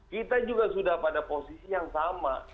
kita juga sudah pada posisi yang sama